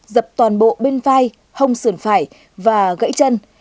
dập toàn bộ bên vai hông sườn phải và gãy chân